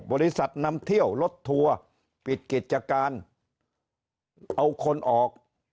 บริษัทนำเที่ยวรถทัวร์ปิดกิจการเอาคนออก